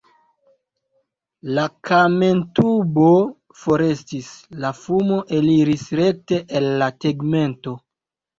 La kamentubo forestis, la fumo eliris rekte el la tegmento.